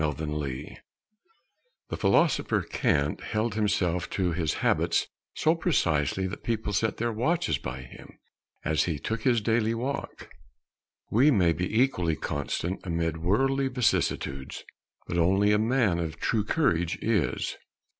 COURAGE The philosopher Kant held himself to his habits so precisely that people set their watches by him as he took his daily walk. We may be equally constant amid worldly vicissitudes, but only a man of true courage is.